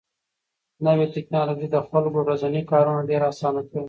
نوې ټکنالوژي د خلکو ورځني کارونه ډېر اسانه کړي